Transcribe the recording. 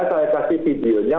saya kasih videonya